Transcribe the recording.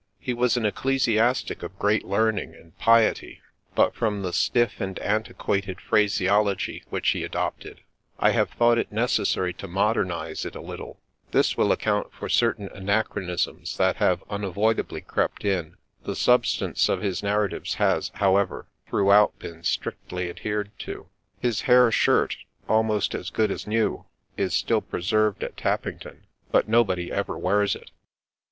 He was an ecclesiastic of great learning and piety, but from the stiff and antiquated phraseology which he adopted, I have thought it necessary to modernize it a little : this will account for certain anachronisms that have unavoidably crept in ; the substance of his narratives has, however, throughout been strictly adhered to. His hair shirt, almost as good as new, is still preserved at Tappington, — but nobody ever wears it.